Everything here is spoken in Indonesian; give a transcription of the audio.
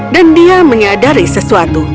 dan dia menyadari sesuatu